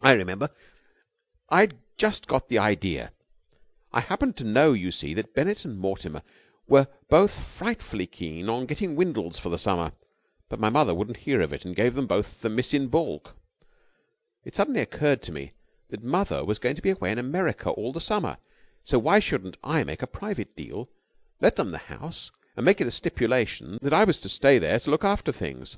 "I remember. I'd just got the idea. I happened to know, you see, that Bennett and Mortimer were both frightfully keen on getting Windles for the summer, but my mother wouldn't hear of it and gave them both the miss in baulk. It suddenly occurred to me that mother was going to be away in America all the summer, so why shouldn't I make a private deal, let them the house, and make it a stipulation that I was to stay there to look after things?